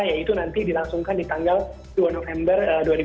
yaitu nanti dilangsungkan di tanggal dua november dua ribu dua puluh